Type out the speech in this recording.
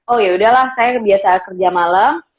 oh yaudah lah saya biasa kerja malem